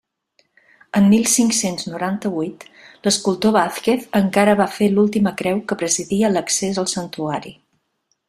En mil cinc-cents noranta-huit l'escultor Vázquez encara va fer l'última creu que presidia l'accés al santuari.